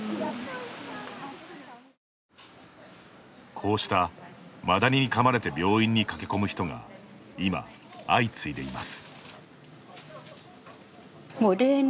こうしたマダニにかまれて病院に駆け込む人が今、相次いでいます。